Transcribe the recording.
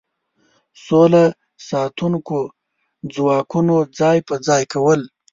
سوله ساتونکو ځواکونو ځای په ځای کول.